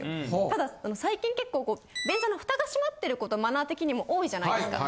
ただ最近結構こう便座のフタが閉まってることマナー的にも多いじゃないですか。